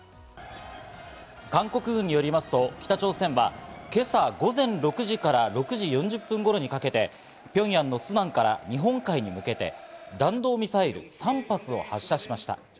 韓国軍によりますと、北朝鮮は今朝午前６時から４０分頃にかけて、ピョンヤンのスナンから日本海に向けて弾道ミサイル３発を発射しました。